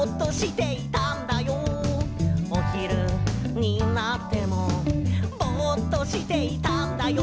「おひるになってもぼっとしていたんだよ」